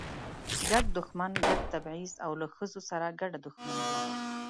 ګډ دښمن، ګډ تبعیض او له ښځو سره ګډه دښمني وه.